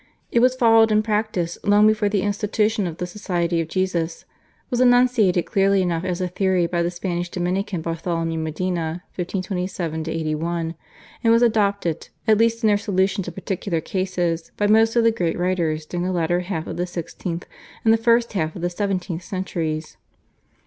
It was followed in practice long before the institution of the Society of Jesus, was enunciated clearly enough as a theory by the Spanish Dominican Bartholomew Medina (1527 81) and was adopted, at least in their solutions of particular cases, by most of the great writers during the latter half of the sixteenth and the first half of the seventeenth centuries.